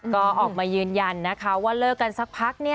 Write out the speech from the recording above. ก็ออกมายืนยันนะคะว่าเลิกกันสักพัก